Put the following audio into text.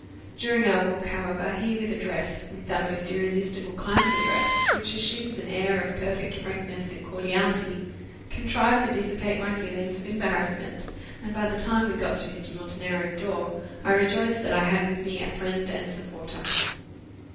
During our walk, however, he with address with that most irresistible kind of address, which assumes an air of perfect frankness and cordiality, contrived to dissipate my feelings of embarrassment; and by the time we got to Mr. Montenero's door, I rejoiced that I had with me a friend and supporter.